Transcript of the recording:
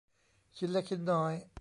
ชิ้นเล็กชิ้นน้อย